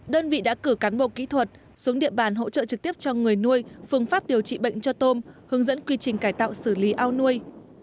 đơn vị đã cử cán bộ kỹ thuật xuống địa bàn hỗ trợ trực tiếp cho người nuôi phương pháp điều trị bệnh cho tôm hướng dẫn quy trình cải tạo xử lý ao nuôi